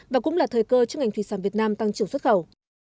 và cũng là thời cơ cho ngành thủy sản việt nam tăng trưởng xuất khẩu